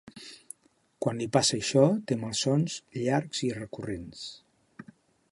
Quan li passa això té malsons llargs i recurrents.